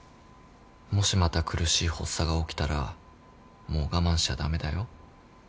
もしまた苦しい発作が起きたらもう我慢しちゃ駄目だよ。